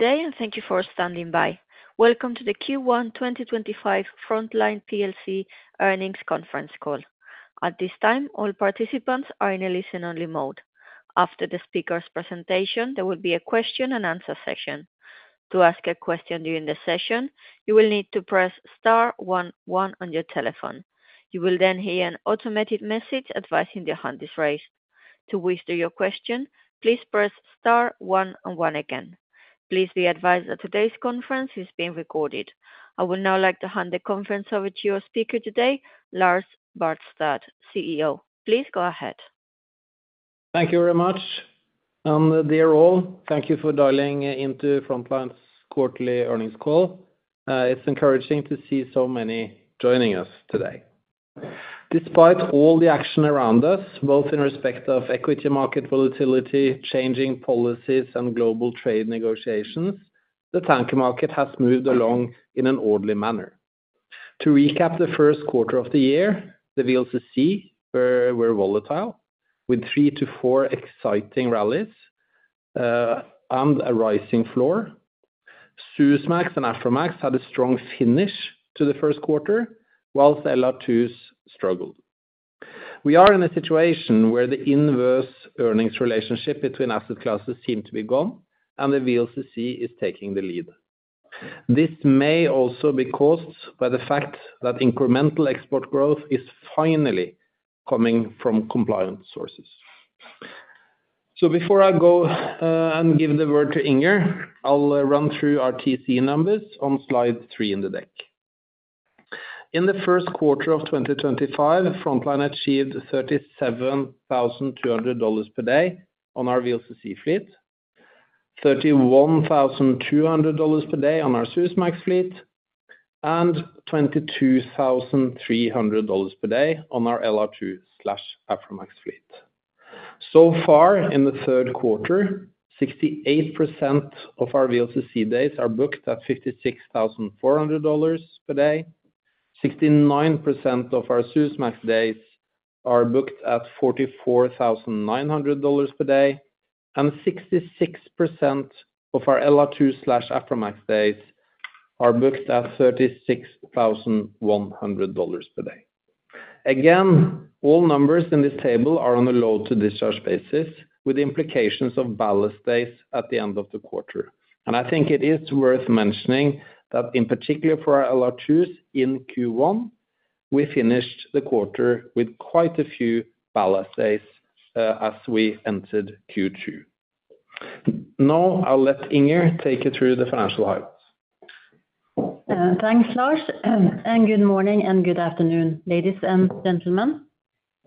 Today, and thank you for standing by. Welcome to the Q1 2025 Frontline plc earnings conference call. At this time, all participants are in a listen-only mode. After the speaker's presentation, there will be a question-and-answer session. To ask a question during the session, you will need to press star one one on your telephone. You will then hear an automated message advising the hand is raised. To whisper your question, please press star one one again. Please be advised that today's conference is being recorded. I would now like to hand the conference over to your speaker today, Lars Barstad, CEO. Please go ahead. Thank you very much. Dear all, thank you for dialing into Frontline's quarterly earnings call. It is encouraging to see so many joining us today. Despite all the action around us, both in respect of equity market volatility, changing policies, and global trade negotiations, the tanker market has moved along in an orderly manner. To recap the first quarter of the year, the VLCC were volatile, with three to four exciting rallies and a rising floor. Suezmax and Aframax had a strong finish to the first quarter, whilst LR2s struggled. We are in a situation where the inverse earnings relationship between asset classes seemed to be gone, and the VLCC is taking the lead. This may also be caused by the fact that incremental export growth is finally coming from compliance sources. Before I go and give the word to Inger, I'll run through our TC numbers on slide three in the deck. In the first quarter of 2025, Frontline achieved $37,200 per day on our VLCC fleet, $31,200 per day on our Suezmax fleet, and $22,300 per day on our LR2/Aframax fleet. So far, in the third quarter, 68% of our VLCC days are booked at $56,400 per day, 69% of our Suezmax days are booked at $44,900 per day, and 66% of our LR2/Aframax days are booked at $36,100 per day. Again, all numbers in this table are on a load-to-discharge basis, with implications of ballast days at the end of the quarter. I think it is worth mentioning that, in particular for our LR2s in Q1, we finished the quarter with quite a few ballast days as we entered Q2. Now I'll let Inger take you through the financial highlights. Thanks, Lars. Good morning and good afternoon, ladies and gentlemen.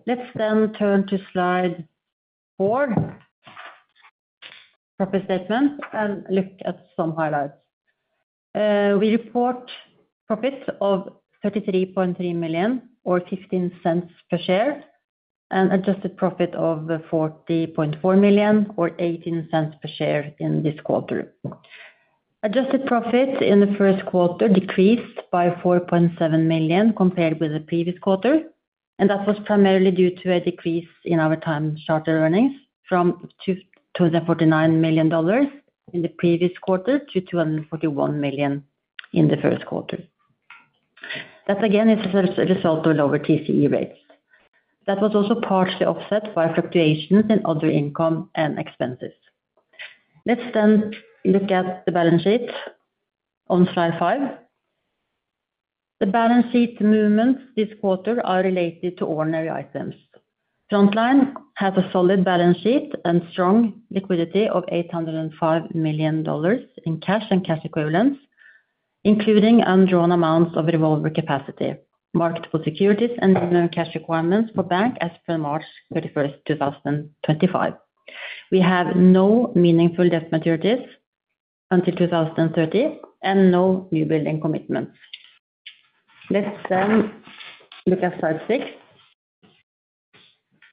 Let's then turn to slide four, profit statement, and look at some highlights. We report profit of $33.3 million or $0.15 per share, and adjusted profit of $40.4 million or $0.18 per share in this quarter. Adjusted profit in the first quarter decreased by $4.7 million compared with the previous quarter, and that was primarily due to a decrease in our time-chartered earnings from $249 million in the previous quarter to $241 million in the first quarter. That, again, is a result of lower TCE rates. That was also partially offset by fluctuations in other income and expenses. Let's then look at the balance sheet on slide five. The balance sheet movements this quarter are related to ordinary items. Frontline has a solid balance sheet and strong liquidity of $805 million in cash and cash equivalents, including undrawn amounts of revolver capacity, marketable securities, and minimum cash requirements for banks as per March 31st, 2025. We have no meaningful debt maturities until 2030 and no new building commitments. Let's then look at slide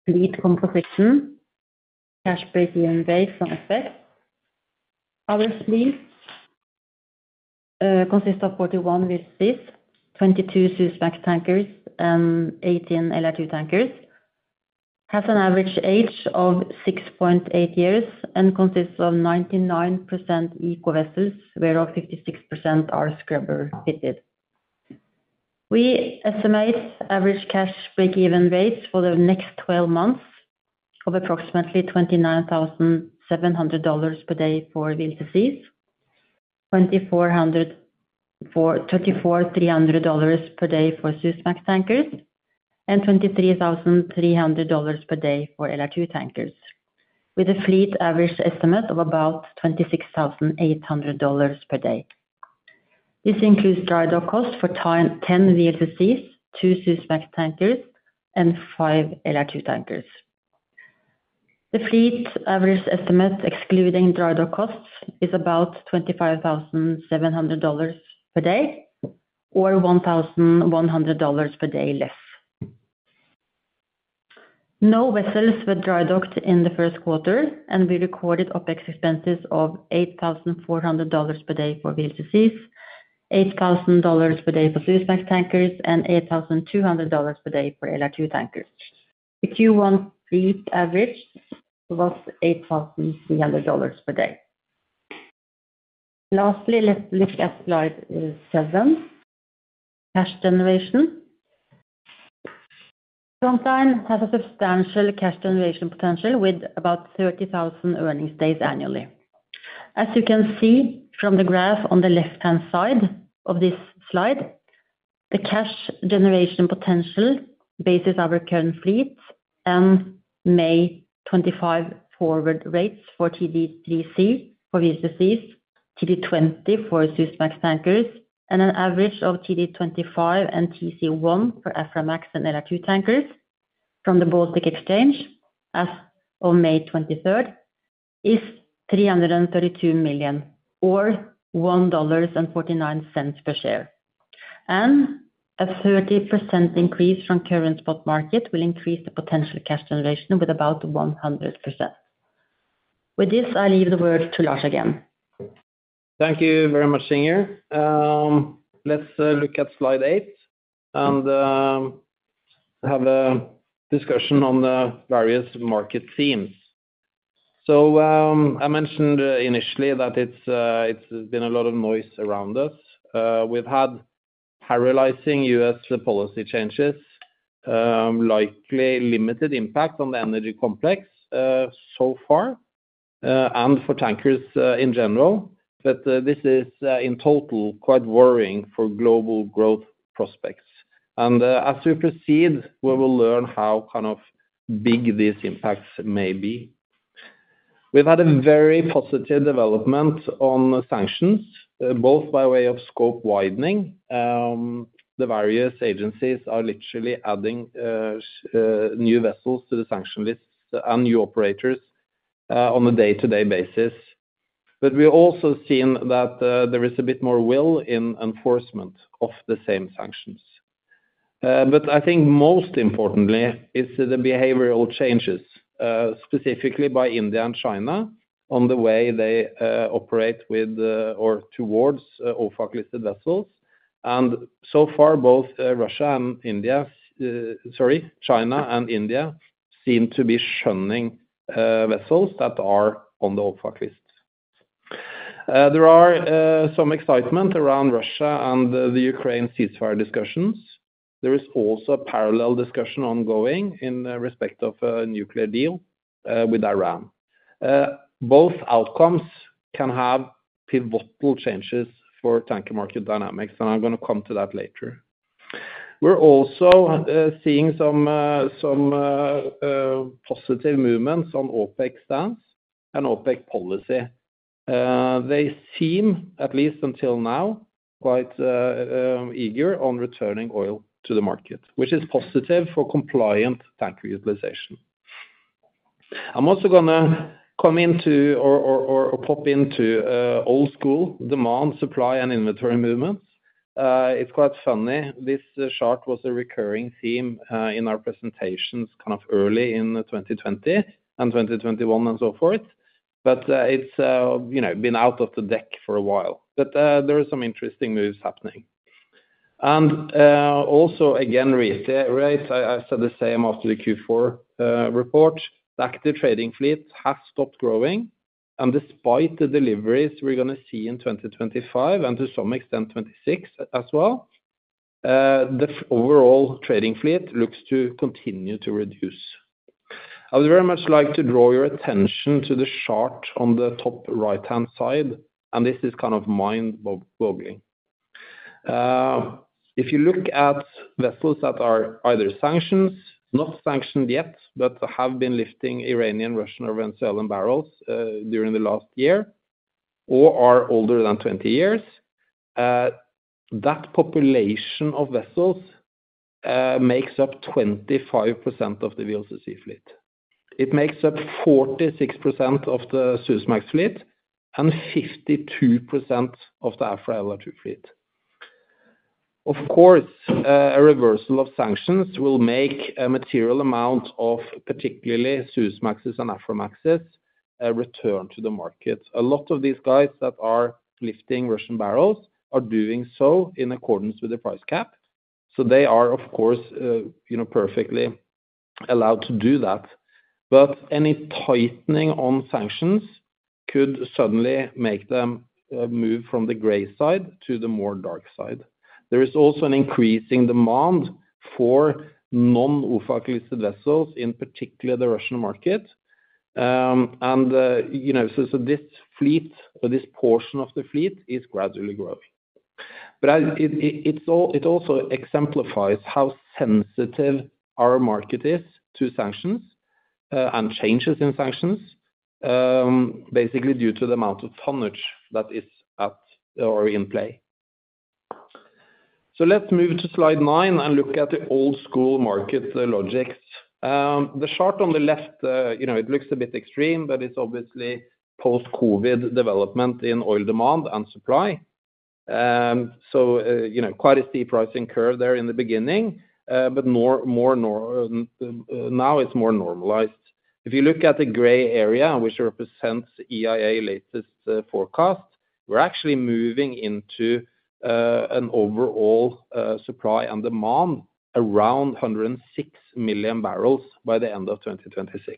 six, fleet composition, cash break-even rates and effects. Our fleet consists of 41 VLCCs, 22 Suezmax tankers, and 18 LR2 tankers. It has an average age of 6.8 years and consists of 99% ECO vessels, whereof 56% are scrubber-fitted. We estimate average cash break-even rates for the next 12 months of approximately $29,700 per day for VLCCs, $24,300 per day for Suezmax tankers, and $23,300 per day for LR2 tankers, with a fleet average estimate of about $26,800 per day. This includes dry dock costs for 10 VLCCs, 2 Suezmax tankers, and 5 LR2 tankers. The fleet average estimate, excluding dry dock costs, is about $25,700 per day or $1,100 per day less. No vessels were dry docked in the first quarter, and we recorded OpEx expenses of $8,400 per day for VLCCs, $8,000 per day for Suezmax tankers, and $8,200 per day for LR2 tankers. The Q1 fleet average was $8,300 per day. Lastly, let's look at slide seven, cash generation. Frontline has a substantial cash generation potential with about 30,000 earnings days annually. As you can see from the graph on the left-hand side of this slide, the cash generation potential bases our current fleet and May 25 forward rates for TD3C for VLCCs, TD20 for Suezmax tankers, and an average of TD25 and TC1 for Aframax and LR2 tankers from the Baltic Exchange as of May 23 is $332 million or $1.49 per share. A 30% increase from current spot market will increase the potential cash generation with about 100%. With this, I leave the word to Lars again. Thank you very much, Inger. Let's look at slide eight and have a discussion on the various market themes. I mentioned initially that it's been a lot of noise around us. We've had paralyzing U.S. policy changes, likely limited impact on the energy complex so far and for tankers in general, but this is in total quite worrying for global growth prospects. As we proceed, we will learn how kind of big these impacts may be. We've had a very positive development on sanctions, both by way of scope widening. The various agencies are literally adding new vessels to the sanction lists and new operators on a day-to-day basis. We've also seen that there is a bit more will in enforcement of the same sanctions. I think most importantly is the behavioral changes, specifically by India and China on the way they operate with or towards OFAC-listed vessels. So far, both China and India seem to be shunning vessels that are on the OFAC list. There is some excitement around Russia and the Ukraine ceasefire discussions. There is also a parallel discussion ongoing in respect of a nuclear deal with Iran. Both outcomes can have pivotal changes for tanker market dynamics, and I'm going to come to that later. We're also seeing some positive movements on OPEC stance and OPEC policy. They seem, at least until now, quite eager on returning oil to the market, which is positive for compliant tanker utilization. I'm also going to come into or pop into old-school demand, supply, and inventory movements. It's quite funny. This chart was a recurring theme in our presentations kind of early in 2020 and 2021 and so forth, but it has been out of the deck for a while. There are some interesting moves happening. Also, again, reiterate, I said the same after the Q4 report. The active trading fleet has stopped growing, and despite the deliveries we are going to see in 2025 and to some extent 2026 as well, the overall trading fleet looks to continue to reduce. I would very much like to draw your attention to the chart on the top right-hand side, and this is kind of mind-boggling. If you look at vessels that are either sanctioned, not sanctioned yet, but have been lifting Iranian, Russian, or Venezuelan barrels during the last year or are older than 20 years, that population of vessels makes up 25% of the VLCC fleet. It makes up 46% of the Suezmax fleet and 52% of the Afra/LR2 fleet. Of course, a reversal of sanctions will make a material amount of particularly Suezmaxes and Aframaxes return to the market. A lot of these guys that are lifting Russian barrels are doing so in accordance with the price cap. They are, of course, perfectly allowed to do that. Any tightening on sanctions could suddenly make them move from the gray side to the more dark side. There is also an increasing demand for non-OFAC-listed vessels, in particular the Russian market. This fleet, or this portion of the fleet, is gradually growing. It also exemplifies how sensitive our market is to sanctions and changes in sanctions, basically due to the amount of tonnage that is at or in play. Let's move to slide nine and look at the old-school market logics. The chart on the left, it looks a bit extreme, but it's obviously post-COVID development in oil demand and supply. Quite a steep rising curve there in the beginning, but now it's more normalized. If you look at the gray area, which represents EIA latest forecast, we're actually moving into an overall supply and demand around 106 million barrels by the end of 2026.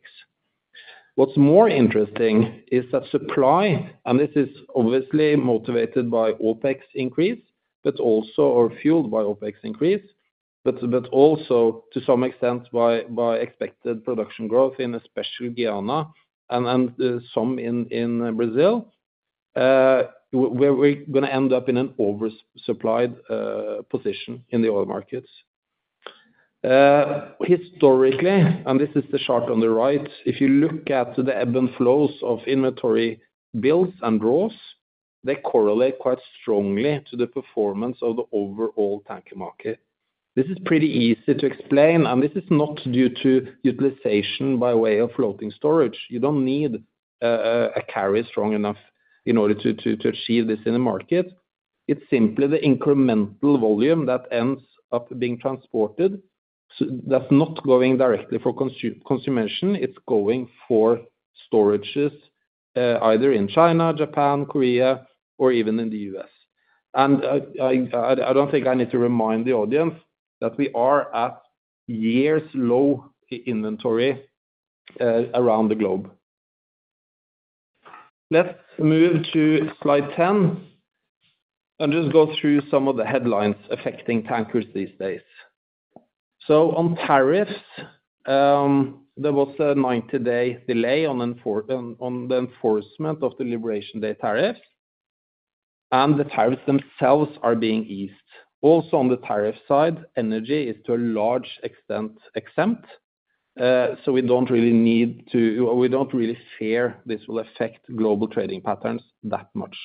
What's more interesting is that supply, and this is obviously motivated by OpEx increase, but also or fueled by OpEx increase, but also to some extent by expected production growth in especially Guyana and some in Brazil, we're going to end up in an oversupplied position in the oil markets. Historically, and this is the chart on the right, if you look at the ebb and flows of inventory builds and draws, they correlate quite strongly to the performance of the overall tanker market. This is pretty easy to explain, and this is not due to utilization by way of floating storage. You do not need a carry strong enough in order to achieve this in the market. It is simply the incremental volume that ends up being transported. That is not going directly for consumption. It is going for storages either in China, Japan, Korea, or even in the U.S. I do not think I need to remind the audience that we are at years-low inventory around the globe. Let's move to slide 10 and just go through some of the headlines affecting tankers these days. On tariffs, there was a 90-day delay on the enforcement of the Liberation Day tariffs, and the tariffs themselves are being eased. Also on the tariff side, energy is to a large extent exempt. We do not really need to, we do not really fear this will affect global trading patterns that much.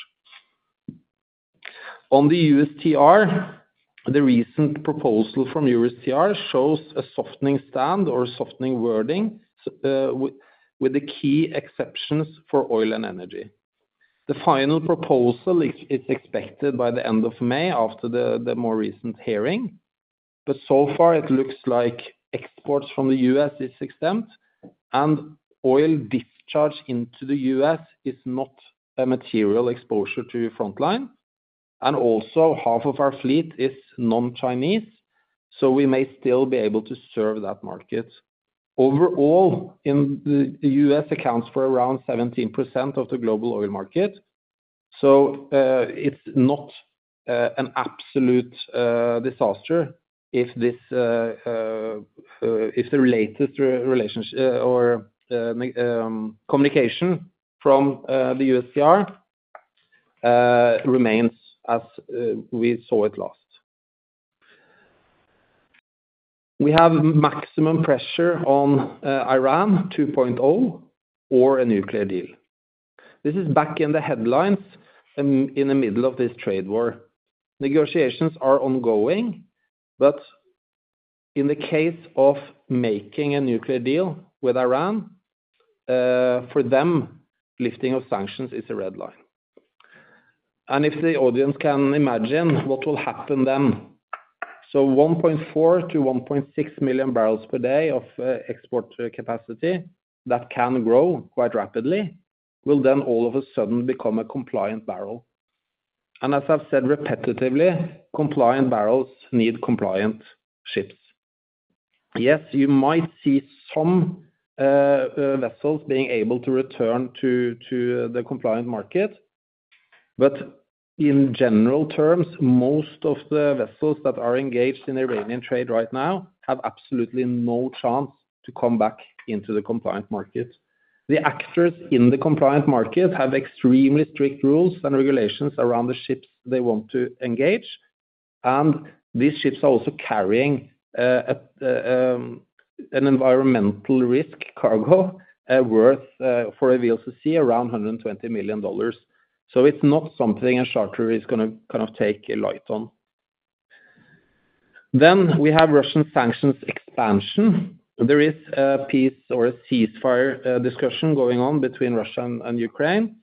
On the USTR, the recent proposal from USTR shows a softening stand or softening wording with the key exceptions for oil and energy. The final proposal is expected by the end of May after the more recent hearing. So far, it looks like exports from the U.S. are exempt, and oil discharge into the U.S. is not a material exposure to Frontline. Also, half of our fleet is non-Chinese, so we may still be able to serve that market. Overall, the U.S. accounts for around 17% of the global oil market. It's not an absolute disaster if the latest relationship or communication from the USTR remains as we saw it last. We have maximum pressure on Iran 2.0 or a nuclear deal. This is back in the headlines in the middle of this trade war. Negotiations are ongoing, but in the case of making a nuclear deal with Iran, for them, lifting of sanctions is a red line. If the audience can imagine what will happen then, 1.4-1.6 million barrels per day of export capacity that can grow quite rapidly will then all of a sudden become a compliant barrel. As I've said repetitively, compliant barrels need compliant ships. Yes, you might see some vessels being able to return to the compliant market, but in general terms, most of the vessels that are engaged in Iranian trade right now have absolutely no chance to come back into the compliant market. The actors in the compliant market have extremely strict rules and regulations around the ships they want to engage. These ships are also carrying an environmental risk cargo worth, for a VLCC, around $120 million. It is not something a charter is going to kind of take a light on. There is Russian sanctions expansion. There is a peace or a ceasefire discussion going on between Russia and Ukraine.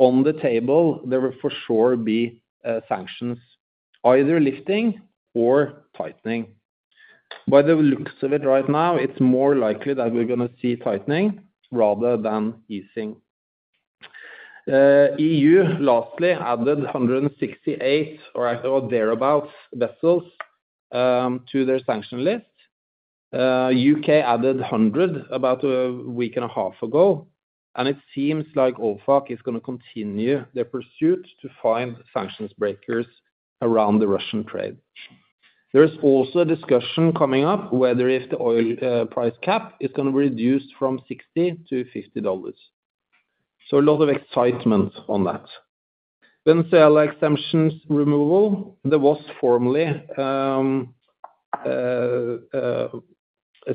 On the table, there will for sure be sanctions, either lifting or tightening. By the looks of it right now, it is more likely that we are going to see tightening rather than easing. EU lastly added 168 or thereabouts vessels to their sanction list. U.K. added 100 about a week and a half ago. It seems like OFAC is going to continue their pursuit to find sanctions breakers around the Russian trade. There is also a discussion coming up whether if the oil price cap is going to be reduced from $60-$50. A lot of excitement on that. Venezuela exemptions removal, there was formerly a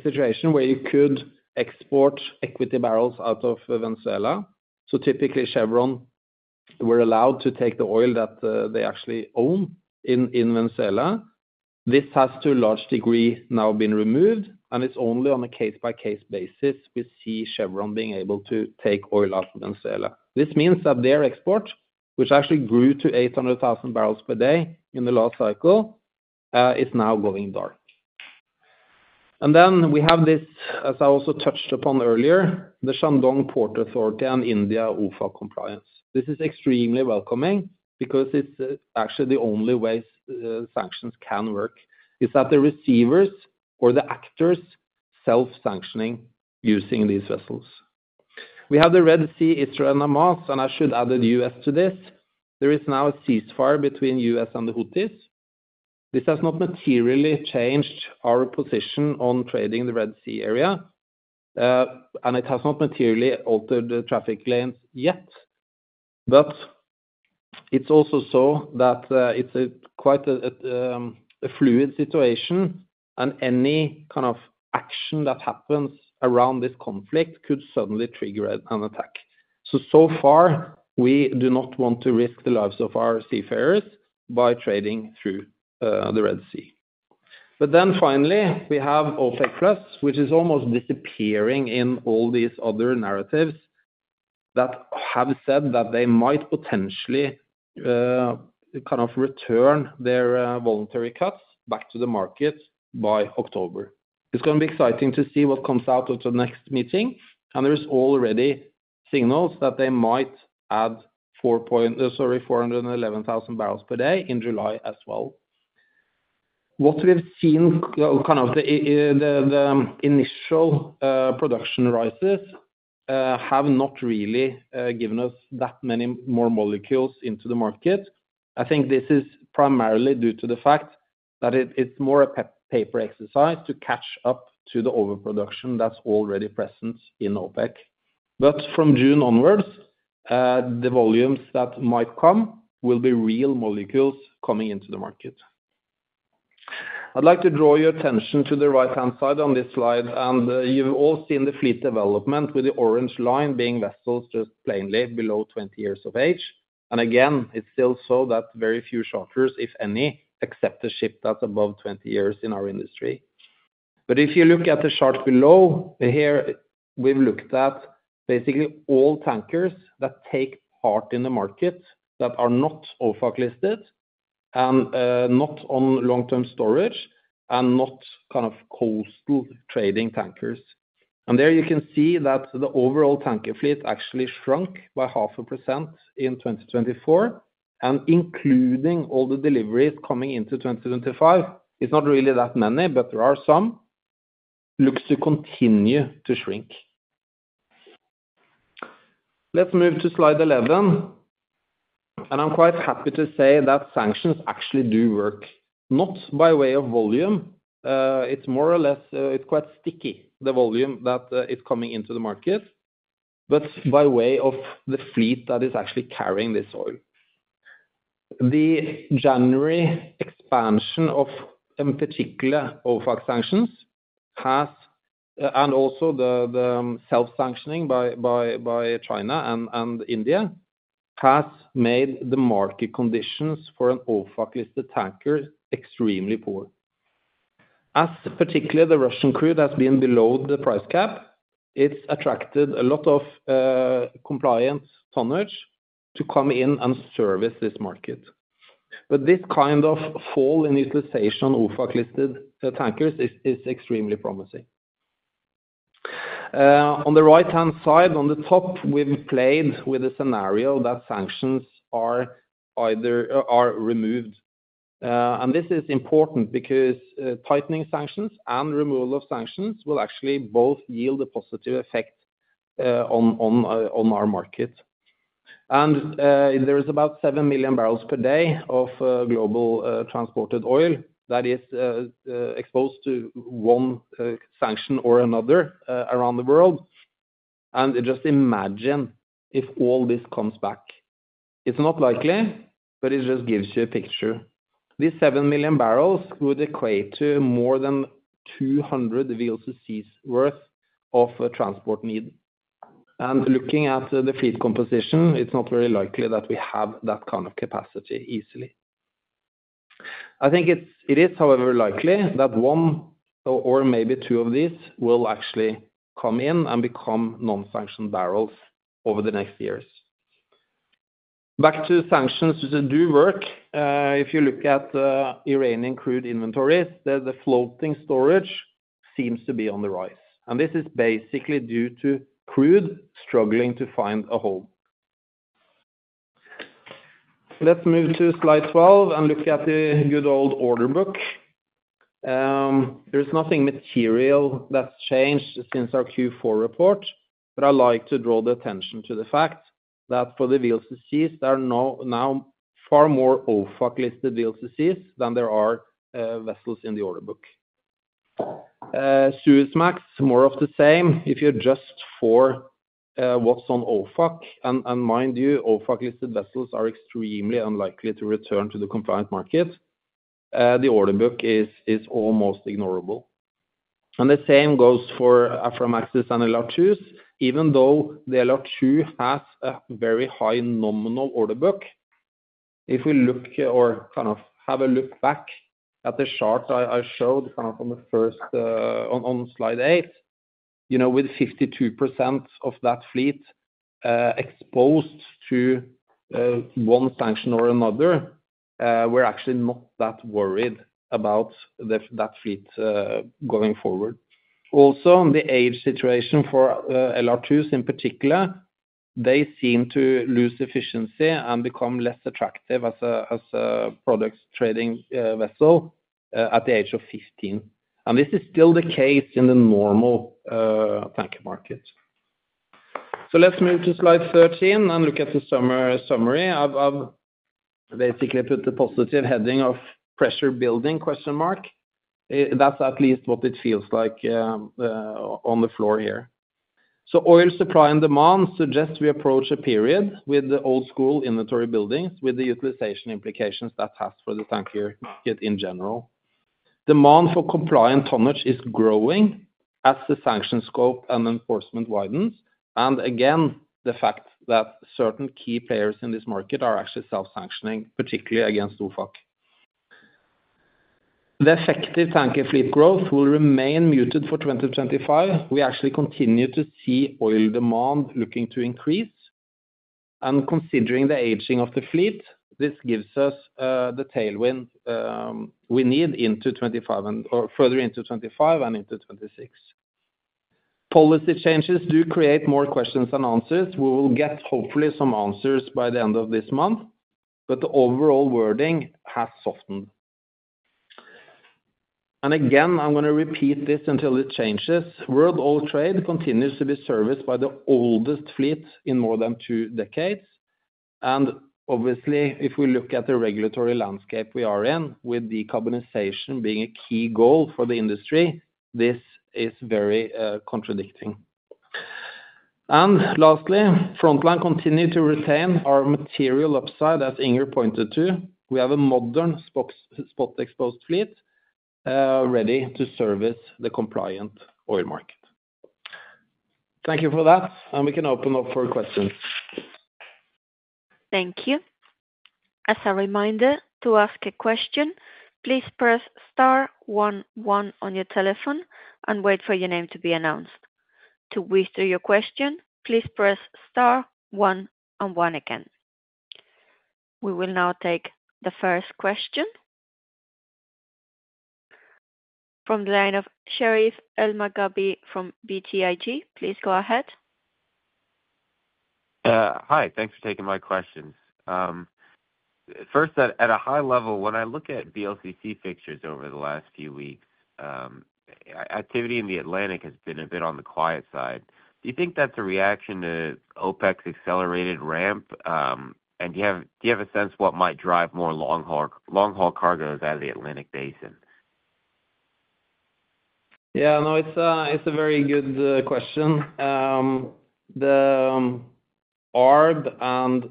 situation where you could export equity barrels out of Venezuela. Typically, Chevron were allowed to take the oil that they actually own in Venezuela. This has to a large degree now been removed, and it is only on a case-by-case basis we see Chevron being able to take oil out of Venezuela. This means that their export, which actually grew to 800,000 barrels per day in the last cycle, is now going dark. We have this, as I also touched upon earlier, the Shandong Port Authority and India OFAC compliance. This is extremely welcoming because it's actually the only way sanctions can work is that the receivers or the actors self-sanctioning using these vessels. We have the Red Sea, Israel, and Hamas, and I should add the U.S. to this. There is now a ceasefire between the U.S. and the Houthis. This has not materially changed our position on trading the Red Sea area, and it has not materially altered the traffic lanes yet. It is also so that it's quite a fluid situation, and any kind of action that happens around this conflict could suddenly trigger an attack. So far, we do not want to risk the lives of our seafarers by trading through the Red Sea. Finally, we have OPEC plus, which is almost disappearing in all these other narratives that have said that they might potentially kind of return their voluntary cuts back to the market by October. It's going to be exciting to see what comes out of the next meeting, and there are already signals that they might add 411,000 barrels per day in July as well. What we've seen, kind of the initial production rises have not really given us that many more molecules into the market. I think this is primarily due to the fact that it's more a paper exercise to catch up to the overproduction that's already present in OPEC. From June onwards, the volumes that might come will be real molecules coming into the market. I'd like to draw your attention to the right-hand side on this slide, and you've all seen the fleet development with the orange line being vessels just plainly below 20 years of age. Again, it's still so that very few charters, if any, accept a ship that's above 20 years in our industry. If you look at the chart below here, we've looked at basically all tankers that take part in the market that are not OFAC-listed and not on long-term storage and not kind of coastal trading tankers. There you can see that the overall tanker fleet actually shrunk by 0.5% in 2024, and including all the deliveries coming into 2025, it's not really that many, but there are some, looks to continue to shrink. Let's move to slide 11. I'm quite happy to say that sanctions actually do work, not by way of volume. It's more or less, it's quite sticky, the volume that is coming into the market, but by way of the fleet that is actually carrying this oil. The January expansion of in particular OFAC sanctions has, and also the self-sanctioning by China and India has made the market conditions for an OFAC-listed tanker extremely poor. As particularly the Russian crude has been below the price cap, it's attracted a lot of compliant tonnage to come in and service this market. This kind of fall in utilization of OFAC-listed tankers is extremely promising. On the right-hand side, on the top, we've played with the scenario that sanctions are either removed. This is important because tightening sanctions and removal of sanctions will actually both yield a positive effect on our market. There is about 7 million barrels per day of global transported oil that is exposed to one sanction or another around the world. Just imagine if all this comes back. It's not likely, but it just gives you a picture. These 7 million barrels would equate to more than 200 VLCCs worth of transport need. Looking at the fleet composition, it's not very likely that we have that kind of capacity easily. I think it is, however, likely that one or maybe two of these will actually come in and become non-sanctioned barrels over the next years. Back to sanctions to do work, if you look at Iranian crude inventories, the floating storage seems to be on the rise. This is basically due to crude struggling to find a hole. Let's move to slide 12 and look at the good old order book. There is nothing material that's changed since our Q4 report, but I'd like to draw the attention to the fact that for the VLCCs, there are now far more OFAC-listed VLCCs than there are vessels in the order book. Suezmax, more of the same. If you adjust for what's on OFAC, and mind you, OFAC-listed vessels are extremely unlikely to return to the compliant market, the order book is almost ignorable. The same goes for Aframaxes and LR2s, even though the LR2 has a very high nominal order book. If we look or kind of have a look back at the chart I showed kind of on the first on slide eight, you know, with 52% of that fleet exposed to one sanction or another, we're actually not that worried about that fleet going forward. Also, the age situation for LR2s in particular, they seem to lose efficiency and become less attractive as a products trading vessel at the age of 15. This is still the case in the normal tanker market. Let's move to slide 13 and look at the summary of basically put the positive heading of pressure building, question mark. That is at least what it feels like on the floor here. Oil supply and demand suggest we approach a period with the old school inventory buildings with the utilization implications that has for the tanker market in general. Demand for compliant tonnage is growing as the sanction scope and enforcement widens. Again, the fact that certain key players in this market are actually self-sanctioning, particularly against OFAC. The effective tanker fleet growth will remain muted for 2025. We actually continue to see oil demand looking to increase. Considering the aging of the fleet, this gives us the tailwind we need into 2025 and further into 2025 and into 2026. Policy changes do create more questions than answers. We will get hopefully some answers by the end of this month, but the overall wording has softened. I am going to repeat this until it changes. World oil trade continues to be serviced by the oldest fleet in more than two decades. Obviously, if we look at the regulatory landscape we are in, with decarbonization being a key goal for the industry, this is very contradicting. Lastly, Frontline continue to retain our material upside as Inger pointed to. We have a modern spot-exposed fleet ready to service the compliant oil market. Thank you for that, and we can open up for questions. Thank you. As a reminder to ask a question, please press star one one on your telephone and wait for your name to be announced. To withdraw your question, please press star one one again. We will now take the first question from the line of Sherif Elmaghrabi from BTIG. Please go ahead. Hi, thanks for taking my question. First, at a high level, when I look at VLCC fixtures over the last few weeks, activity in the Atlantic has been a bit on the quiet side. Do you think that's a reaction to OPEC's accelerated ramp? And do you have a sense what might drive more long-haul cargoes out of the Atlantic Basin? Yeah, no, it's a very good question. The ARB and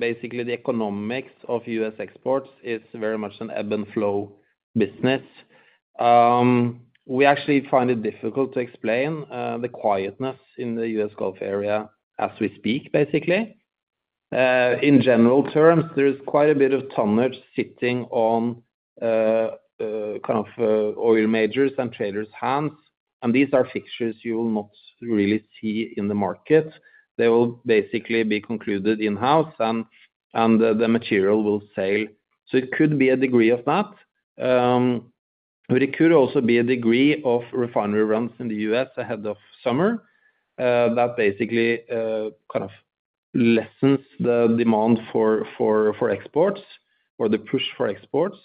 basically the economics of U.S. exports is very much an ebb and flow business. We actually find it difficult to explain the quietness in the U.S. Gulf area as we speak, basically. In general terms, there is quite a bit of tonnage sitting on kind of oil majors and traders' hands. These are fixtures you will not really see in the market. They will basically be concluded in-house, and the material will sail. It could be a degree of that. It could also be a degree of refinery runs in the U.S. ahead of summer that basically kind of lessens the demand for exports or the push for exports.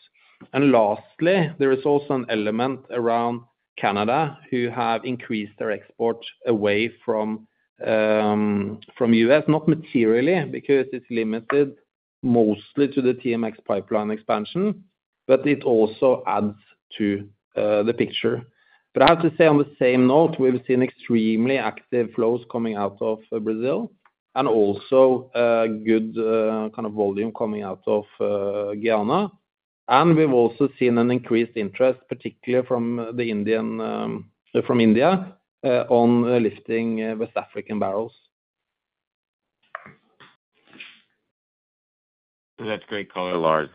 Lastly, there is also an element around Canada who have increased their export away from the U.S., not materially because it is limited mostly to the TMX pipeline expansion, but it also adds to the picture. I have to say on the same note, we've seen extremely active flows coming out of Brazil and also good kind of volume coming out of Guyana. We've also seen an increased interest, particularly from India on lifting West African barrels. That's great color, Lars.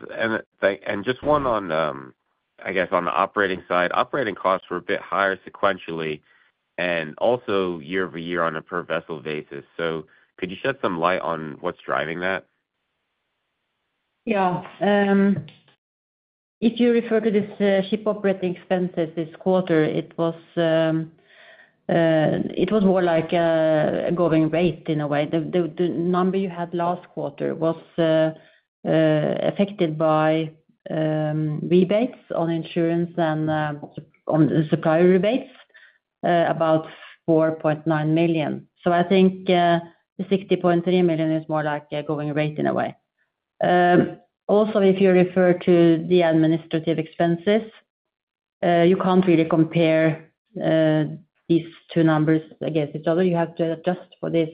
Just one on, I guess, on the operating side, operating costs were a bit higher sequentially and also year-over-year on a per-vessel basis. Could you shed some light on what's driving that? Yeah. If you refer to the ship operating expenses this quarter, it was more like a going rate in a way. The number you had last quarter was affected by rebates on insurance and on the supplier rebates, about $4.9 million. I think $60.3 million is more like a going rate in a way. Also, if you refer to the administrative expenses, you can't really compare these two numbers against each other. You have to adjust for this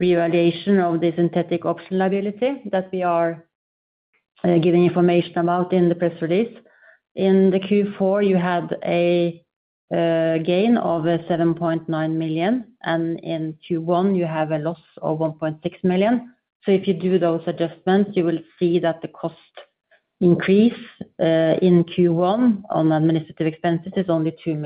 revaluation of the synthetic option liability that we are giving information about in the press release. In the Q4, you had a gain of $7.9 million, and in Q1, you have a loss of $1.6 million. If you do those adjustments, you will see that the cost increase in Q1 on administrative expenses is only $2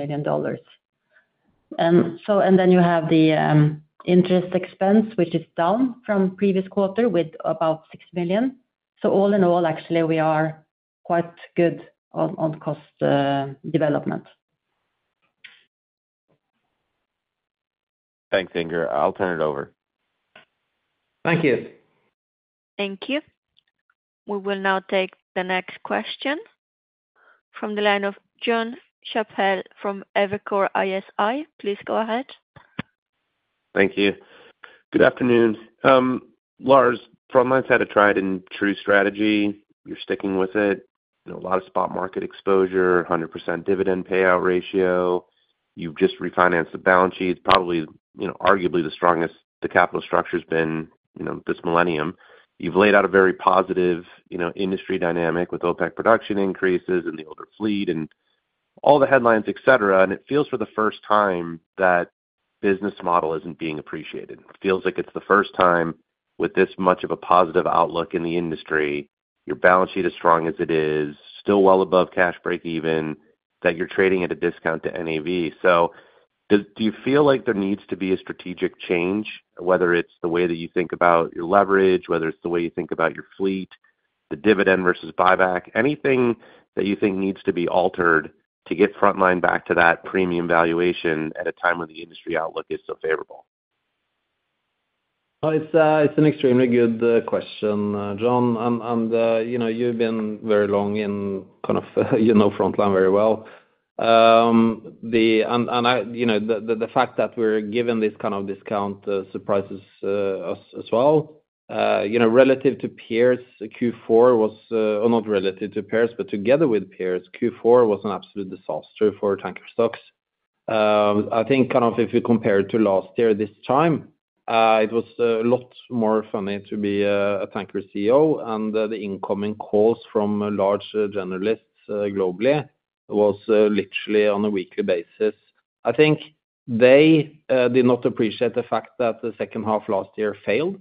million. You have the interest expense, which is down from previous quarter with about $6 million. All in all, actually, we are quite good on cost development. Thanks, Inger. I'll turn it over. Thank you. Thank you. We will now take the next question from the line of Jon Chappell from Evercore ISI. Please go ahead. Thank you. Good afternoon. Lars, Frontline's had a tried-and-true strategy. You're sticking with it. A lot of spot market exposure, 100% dividend payout ratio. You've just refinanced the balance sheet, probably arguably the strongest the capital structure has been this millennium. You've laid out a very positive industry dynamic with OPEC production increases and the older fleet and all the headlines, etc. It feels for the first time that business model isn't being appreciated. It feels like it's the first time with this much of a positive outlook in the industry. Your balance sheet is strong as it is, still well above cash break-even, that you're trading at a discount to NAV. Do you feel like there needs to be a strategic change, whether it's the way that you think about your leverage, whether it's the way you think about your fleet, the dividend versus buyback, anything that you think needs to be altered to get Frontline back to that premium valuation at a time when the industry outlook is so favorable? It's an extremely good question, Jon. And you've been very long in kind of Frontline very well. The fact that we're given this kind of discount surprises us as well. Relative to peers, Q4 was not relative to peers, but together with peers, Q4 was an absolute disaster for tanker stocks. I think kind of if you compare it to last year this time, it was a lot more funny to be a tanker CEO, and the incoming calls from large generalists globally was literally on a weekly basis. I think they did not appreciate the fact that the second half last year failed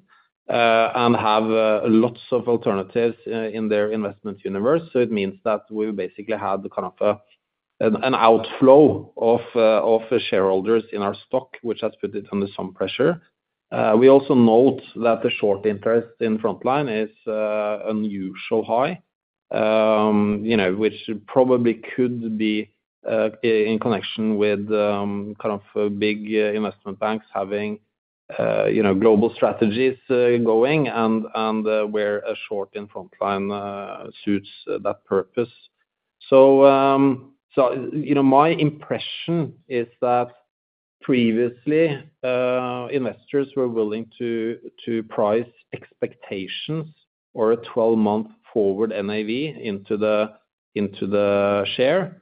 and have lots of alternatives in their investment universe. It means that we basically had kind of an outflow of shareholders in our stock, which has put it under some pressure. We also note that the short interest in Frontline is unusually high, which probably could be in connection with kind of big investment banks having global strategies going and where a short in Frontline suits that purpose. My impression is that previously investors were willing to price expectations or a 12-month forward NAV into the share,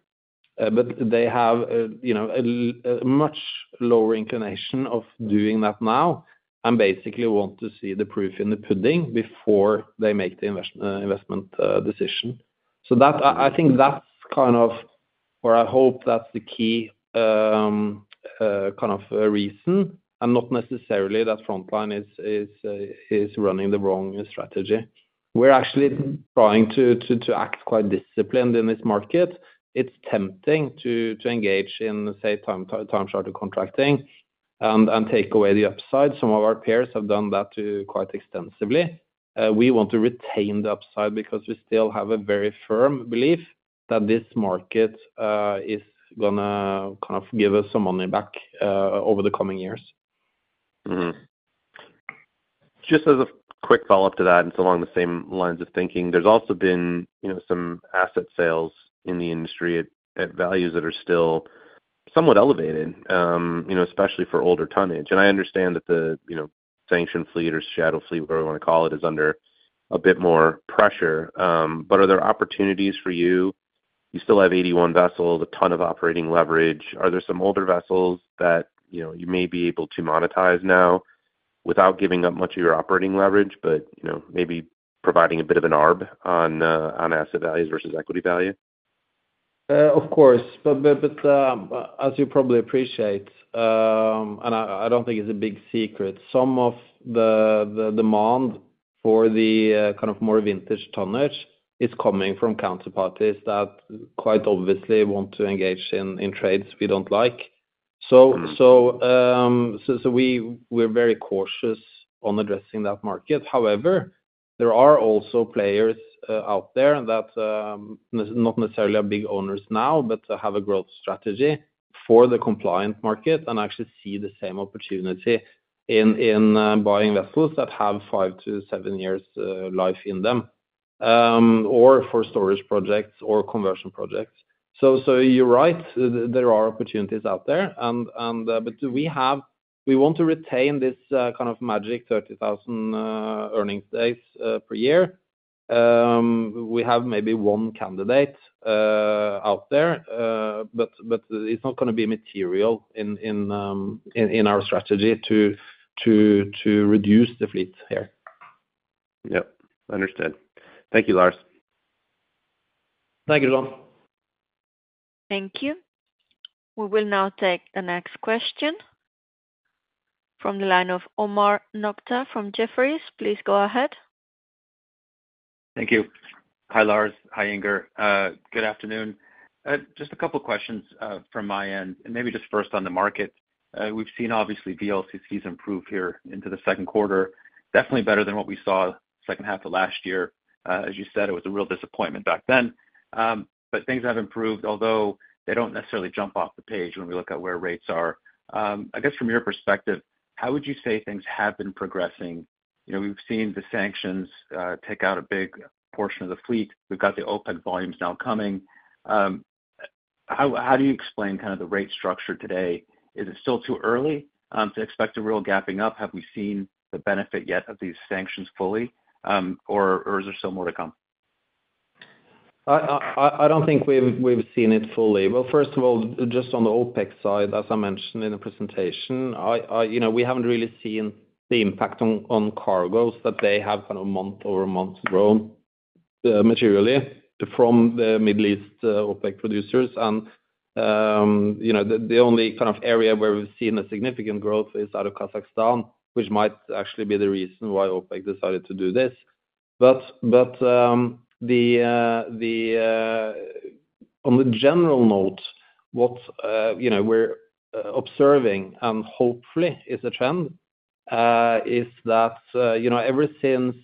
but they have a much lower inclination of doing that now and basically want to see the proof in the pudding before they make the investment decision. I think that's kind of, or I hope that's the key kind of reason and not necessarily that Frontline is running the wrong strategy. We're actually trying to act quite disciplined in this market. It's tempting to engage in, say, time-shared contracting and take away the upside. Some of our peers have done that quite extensively. We want to retain the upside because we still have a very firm belief that this market is going to kind of give us some money back over the coming years. Just as a quick follow-up to that, and it's along the same lines of thinking, there's also been some asset sales in the industry at values that are still somewhat elevated, especially for older tonnage. I understand that the sanctioned fleet or shadow fleet, whatever you want to call it, is under a bit more pressure. Are there opportunities for you? You still have 81 vessels, a ton of operating leverage. Are there some older vessels that you may be able to monetize now without giving up much of your operating leverage, but maybe providing a bit of an ARB on asset values versus equity value? Of course. As you probably appreciate, and I don't think it's a big secret, some of the demand for the kind of more vintage tonnage is coming from counterparties that quite obviously want to engage in trades we don't like. We're very cautious on addressing that market. However, there are also players out there that are not necessarily big owners now, but have a growth strategy for the compliant market and actually see the same opportunity in buying vessels that have five to seven years' life in them or for storage projects or conversion projects. You're right, there are opportunities out there. We want to retain this kind of magic 30,000 earnings days per year. We have maybe one candidate out there, but it's not going to be material in our strategy to reduce the fleet here. Yep. Understood. Thank you, Lars. Thank you, Jon. Thank you. We will now take the next question from the line of Omar Nokta from Jefferies. Please go ahead. Thank you. Hi, Lars. Hi, Inger. Good afternoon. Just a couple of questions from my end, and maybe just first on the market. We've seen obviously VLCCs improve here into the second quarter, definitely better than what we saw second half of last year. As you said, it was a real disappointment back then, but things have improved, although they don't necessarily jump off the page when we look at where rates are. I guess from your perspective, how would you say things have been progressing? We've seen the sanctions take out a big portion of the fleet. We've got the OPEC volumes now coming. How do you explain kind of the rate structure today? Is it still too early to expect a real gapping up? Have we seen the benefit yet of these sanctions fully, or is there still more to come? I don't think we've seen it fully. First of all, just on the OPEC side, as I mentioned in the presentation, we have not really seen the impact on cargoes that they have kind of month-over-month grown materially from the Middle East OPEC producers. The only kind of area where we have seen significant growth is out of Kazakhstan, which might actually be the reason why OPEC decided to do this. On the general note, what we are observing, and hopefully is a trend, is that ever since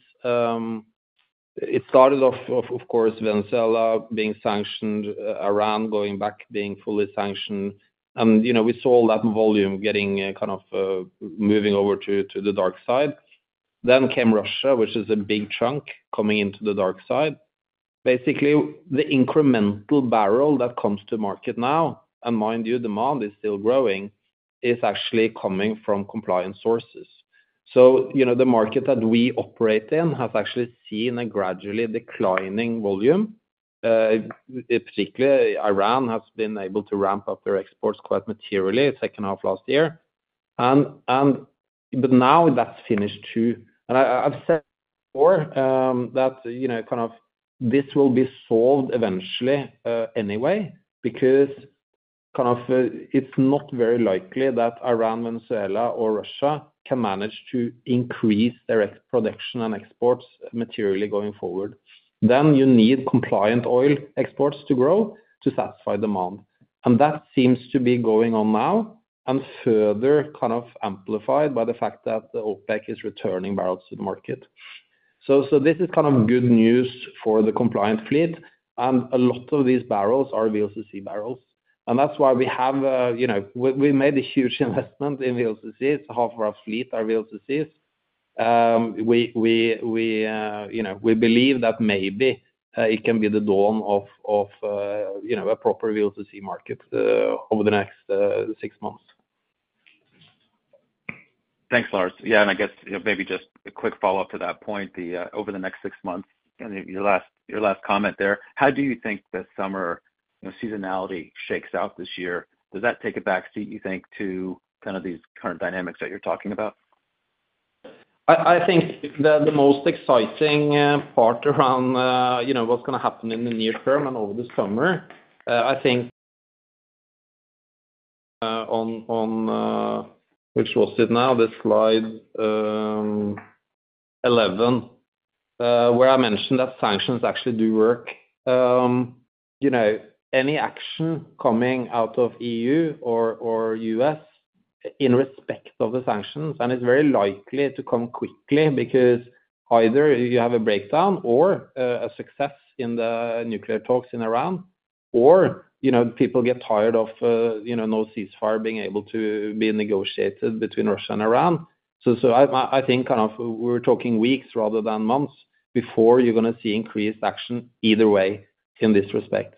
it started off, of course, Venezuela being sanctioned, Iran going back, being fully sanctioned, and we saw that volume getting kind of moving over to the dark side. Then came Russia, which is a big chunk coming into the dark side. Basically, the incremental barrel that comes to market now, and mind you, demand is still growing, is actually coming from compliance sources. The market that we operate in has actually seen a gradually declining volume. Particularly, Iran has been able to ramp up their exports quite materially second half last year. Now that's finished too. I've said before that this will be solved eventually anyway because it's not very likely that Iran, Venezuela, or Russia can manage to increase their production and exports materially going forward. You need compliant oil exports to grow to satisfy demand. That seems to be going on now and further amplified by the fact that OPEC is returning barrels to the market. This is good news for the compliant fleet. A lot of these barrels are VLCC barrels. That's why we made a huge investment in VLCCs. Half of our fleet are VLCCs. We believe that maybe it can be the dawn of a proper VLCC market over the next six months. Thanks, Lars. Yeah. I guess maybe just a quick follow-up to that point, over the next six months, and your last comment there, how do you think the summer seasonality shakes out this year? Does that take a backseat, you think, to kind of these current dynamics that you're talking about? I think the most exciting part around what's going to happen in the near term and over the summer, I think on which was it now, the slide 11, where I mentioned that sanctions actually do work. Any action coming out of EU or U.S. in respect of the sanctions, and it's very likely to come quickly because either you have a breakdown or a success in the nuclear talks in Iran, or people get tired of no ceasefire being able to be negotiated between Russia and Iran. I think kind of we're talking weeks rather than months before you're going to see increased action either way in this respect.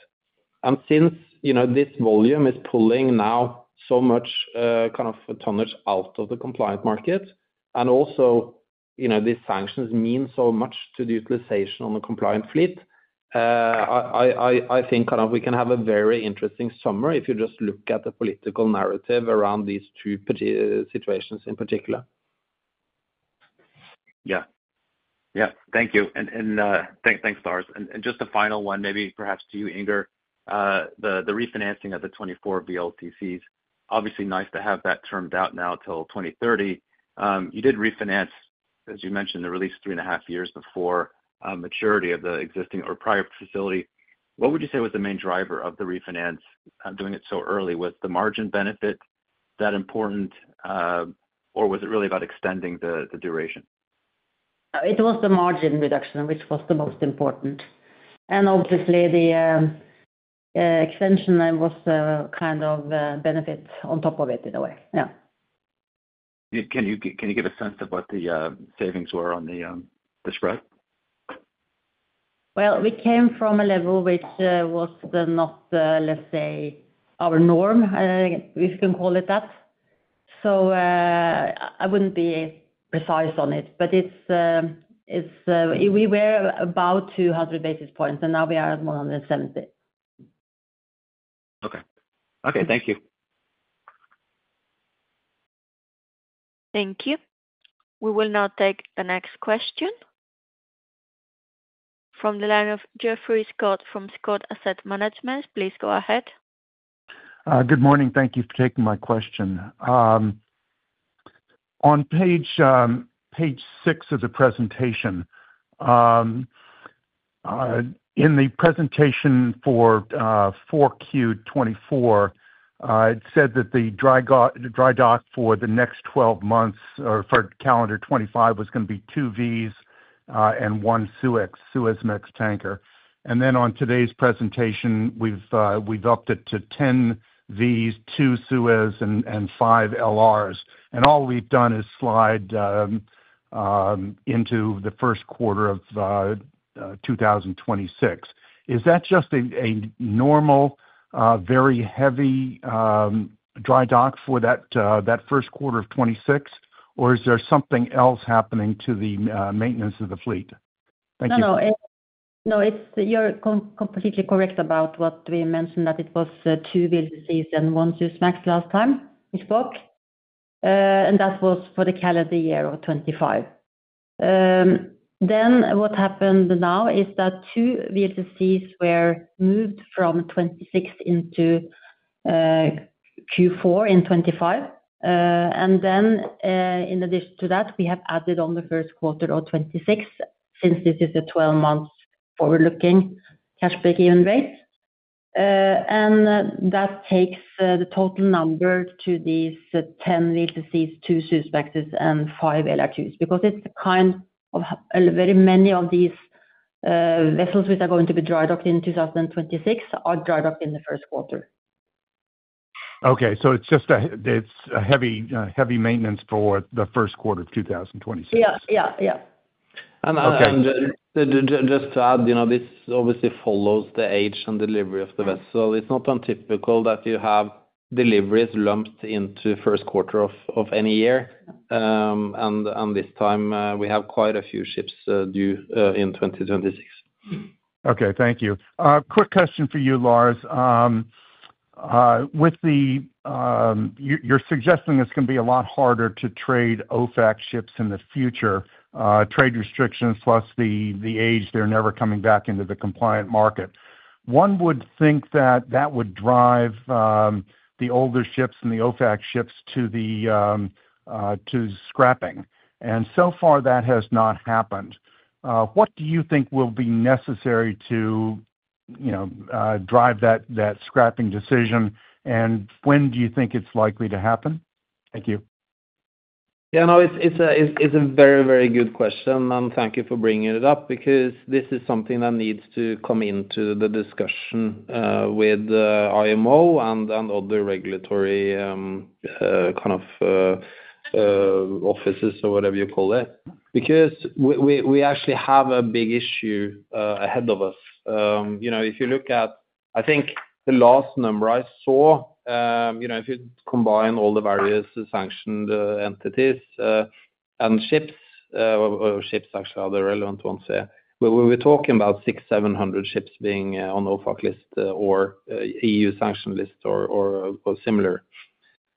Since this volume is pulling now so much kind of tonnage out of the compliant market, and also these sanctions mean so much to the utilization on the compliant fleet, I think kind of we can have a very interesting summer if you just look at the political narrative around these two situations in particular. Yeah. Yeah. Thank you. And thanks, Lars. Just a final one, maybe perhaps to you, Inger, the refinancing of the 24 VLCCs. Obviously, nice to have that termed out now till 2030. You did refinance, as you mentioned, the release three and a half years before maturity of the existing or prior facility. What would you say was the main driver of the refinance doing it so early? Was the margin benefit that important, or was it really about extending the duration? It was the margin reduction, which was the most important. Obviously, the extension was kind of benefit on top of it in a way. Yeah. Can you give a sense of what the savings were on the spread? We came from a level which was not, let's say, our norm, if you can call it that. I would not be precise on it, but we were about 200 basis points, and now we are at 170. Okay. Okay. Thank you. Thank you. We will now take the next question from the line of Geoffrey Scott from Scott Asset Management. Please go ahead. Good morning. Thank you for taking my question. On page six of the presentation, in the presentation for 4Q 2024, it said that the dry dock for the next 12 months or for calendar 2025 was going to be two Vs and one Suezmax tanker. And then on today's presentation, we have upped it to 10 Vs, two Suezmaxes, and five LRs. And all we have done is slide into the first quarter of 2026. Is that just a normal, very heavy dry dock for that first quarter of 2026, or is there something else happening to the maintenance of the fleet? Thank you. No, you're completely correct about what we mentioned, that it was two VLCCs and one Suezmax last time we spoke. That was for the calendar year of 2025. What happened now is that two VLCCs were moved from 2026 into Q4 in 2025. In addition to that, we have added on the first quarter of 2026, since this is a 12-month forward-looking cash break-even rate. That takes the total number to these 10 VLCCs, two Suezmaxes, and five LR2s because very many of these vessels which are going to be dry docked in 2026 are dry docked in the first quarter. It is a heavy maintenance for the first quarter of 2026. Yeah. Yeah. Just to add, this obviously follows the age and delivery of the vessel. It's not untypical that you have deliveries lumped into first quarter of any year. This time, we have quite a few ships due in 2026. Okay. Thank you. Quick question for you, Lars. You're suggesting it's going to be a lot harder to trade OFAC ships in the future, trade restrictions plus the age, they're never coming back into the compliant market. One would think that that would drive the older ships and the OFAC ships to scrapping. So far, that has not happened. What do you think will be necessary to drive that scrapping decision, and when do you think it's likely to happen? Thank you. Yeah. No, it's a very, very good question. Thank you for bringing it up because this is something that needs to come into the discussion with IMO and other regulatory kind of offices or whatever you call it because we actually have a big issue ahead of us. If you look at, I think, the last number I saw, if you combine all the various sanctioned entities and ships, or ships actually are the relevant ones here, we're talking about 600-700 ships being on OFAC list or EU sanction list or similar.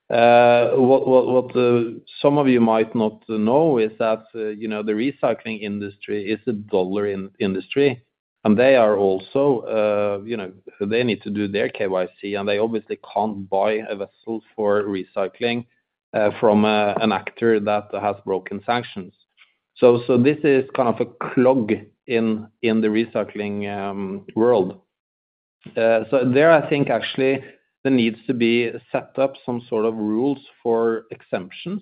What some of you might not know is that the recycling industry is a dollar industry, and they also need to do their KYC, and they obviously can't buy a vessel for recycling from an actor that has broken sanctions. This is kind of a clog in the recycling world. I think, actually there needs to be set up some sort of rules for exemptions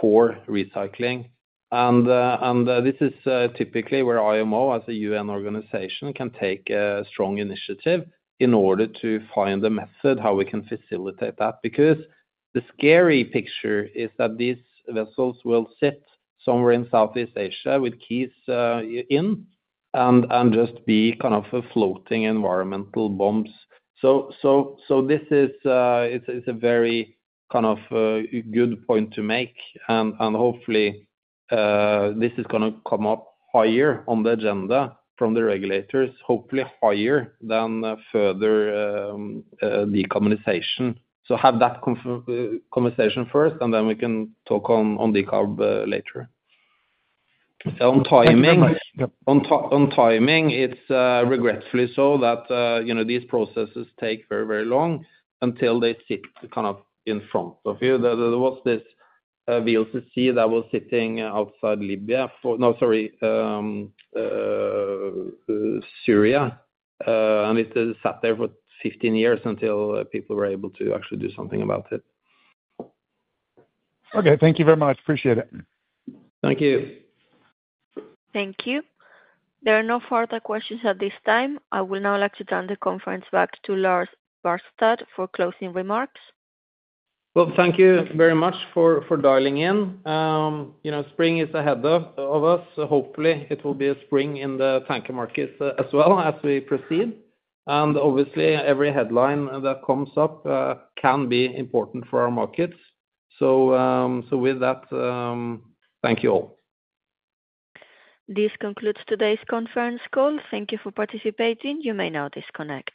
for recycling. This is typically where IMO, as a UN organization, can take a strong initiative in order to find a method how we can facilitate that because the scary picture is that these vessels will sit somewhere in Southeast Asia with keys in and just be kind of floating environmental bombs. This is a very kind of good point to make. Hopefully, this is going to come up higher on the agenda from the regulators, hopefully higher than further decarbonization. Have that conversation first, and then we can talk on decarb later. On timing, it's regretfully so that these processes take very, very long until they sit kind of in front of you. There was this VLCC that was sitting outside Libya for no, sorry, Syria. It sat there for 15 years until people were able to actually do something about it. Okay. Thank you very much. Appreciate it. Thank you. Thank you. There are no further questions at this time. I would now like to turn the conference back to Lars Barstad for closing remarks. Thank you very much for dialing in. Spring is ahead of us. Hopefully, it will be a spring in the tanker markets as well as we proceed. Obviously, every headline that comes up can be important for our markets. With that, thank you all. This concludes today's conference call. Thank you for participating. You may now disconnect.